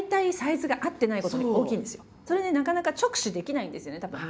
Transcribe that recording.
それねなかなか直視できないんですよねたぶん。